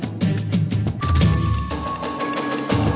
ร้องได้หรือว่าร้องผิดครับ